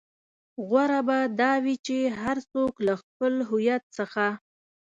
غوره به دا وي چې هر څوک له خپل هويت څخه.